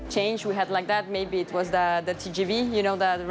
สิ่งที่เราได้เป็นแบบนั้นมันก็คือทีมบริษัท